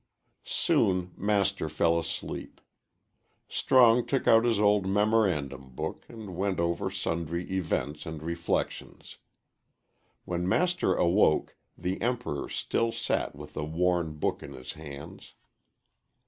Soon Master fell asleep. Strong took out his old memorandum book and went over sundry events and reflections. When Master awoke the Emperor still sat with the worn book in his hands.